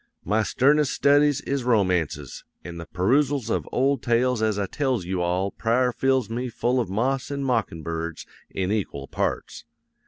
My sternest studies is romances, an' the peroosals of old tales as I tells you all prior fills me full of moss an' mockin' birds in equal parts.